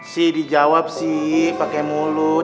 si dijawab sih pake mulut